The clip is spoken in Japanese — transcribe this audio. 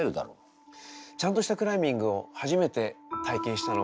ちゃんとしたクライミングを初めて体験したのは１５歳の頃でした。